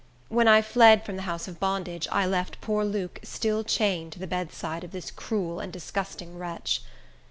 When I fled from the house of bondage, I left poor Luke still chained to the bedside of this cruel and disgusting wretch.